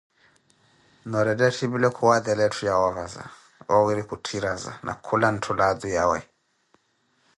Noorettikhana etthiipile, khuwaatela etthu yahoova, oowiiri khutthiraza, na khula ntthu laatu yawe.